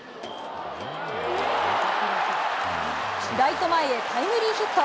ライト前へタイムリーヒット。